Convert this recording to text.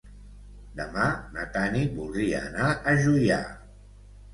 Demà na Tanit voldria anar a Juià.